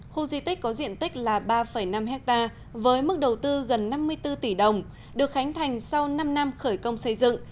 khu di tích có diện tích là ba năm hectare với mức đầu tư gần năm mươi bốn tỷ đồng được khánh thành sau năm năm khởi công xây dựng